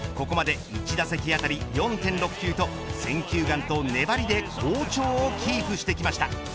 ここまで１打席当たり４．６球と選球眼と粘りで好調をキープしてきました。